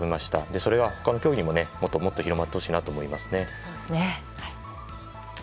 それが他の競技にももっともっと広まってほしいなと思いますね。